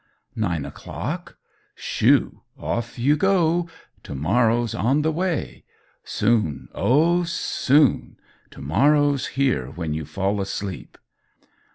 "Nine o'clock? Shoo! Off you go! To morrow's on the way. Soon oh, soon! To morrow's here when you fall asleep.